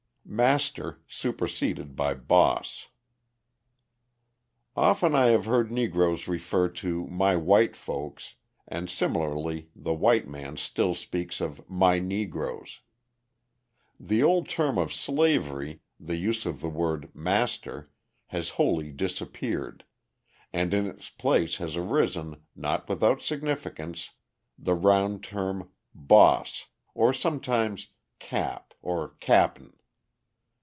"Master" Superseded by "Boss" Often I have heard Negroes refer to "my white folks" and similarly the white man still speaks of "my Negroes." The old term of slavery, the use of the word "master," has wholly disappeared, and in its place has arisen, not without significance, the round term "Boss," or sometimes "Cap," or "Cap'n."